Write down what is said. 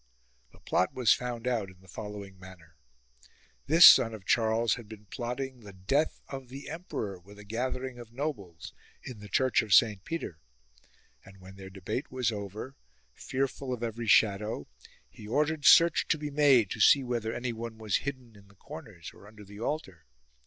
The plot was found out in the following manner. This son of Charles had been plotting the death of the emperor with a gathering of nobles, in the church of Saint Peter ; and when their debate was over, fearful of every shadow, he ordered search to be made, to see whether anyone was hidden in the corners or under the altar.